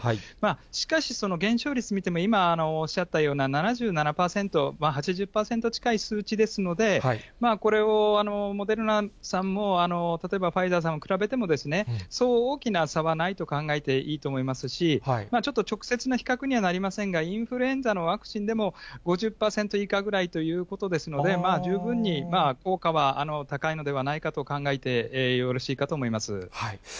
しかし、その減少率見ても、今、おっしゃったような７７％、８０％近い数値ですので、これをモデルナさんも、例えばファイザーさんと比べても、そう大きな差はないと考えていいと思いますし、ちょっと直接な比較にはなりませんが、インフルエンザのワクチンでも、５０％以下ぐらいということですので、十分に効果は高いのではないかと考えてよろしいかと思います。